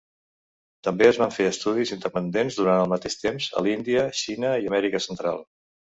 També es van fer estudis independents durant el mateix temps a Índia, Xina i Amèrica Central.